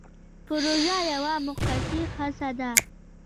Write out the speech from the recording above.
پروژه یوه موقتي هڅه ده